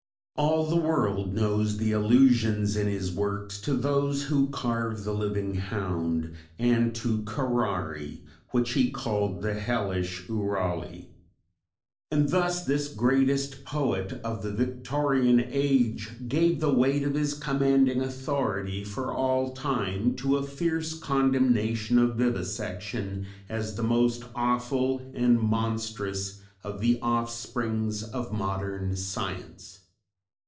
All the world knows the allusions in his works to those who "carve the living hound," and to curare, which he called "the hellish oorali." And thus this greatest poet of the Victorian age gave the weight of his commanding authority for all time to a fierce condemnation of vivisection as the most awful and monstrous of the offsprings of modern Science.